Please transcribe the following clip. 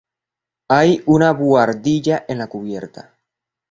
Hay una buhardilla en la cubierta.